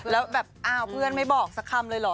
แล้วแบบอ้าวเพื่อนไม่บอกสักคำเลยเหรอ